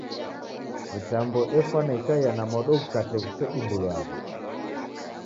Mitambo efwana ikaie na modo ghukate ghusedumbulwagha.